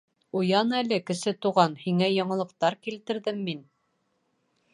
Уян әле, Кесе Туған, һиңә яңылыҡтар килтерҙем мин.